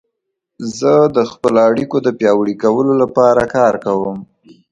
زه د خپلو اړیکو د پیاوړي کولو لپاره کار کوم.